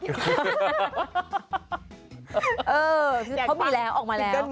เขามีแล้วออกมาแล้ว